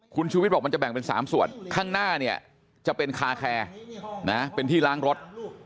คุณชูวิทย์บอกมันจะแบ่งเป็น๓ส่วนข้างหน้าเนี่ยจะเป็นคาแคร์เป็นที่ล้างรถ